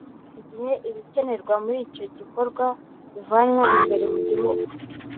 mu gihe ibikenerwa muri icyo gikorwa bivanwa imbere mu gihugu